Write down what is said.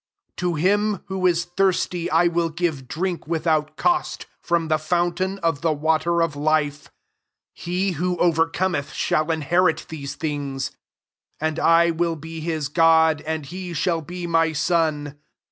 To him who is thirsty 1 will give drink without cost from the fountain of the water of life. 7 He who overcomctk shall inherit these things : and I will be his God, and he shall be my son.